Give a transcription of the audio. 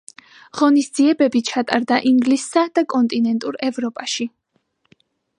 ღონისძიებები ჩატარდა ინგლისსა და კონტინენტურ ევროპაში.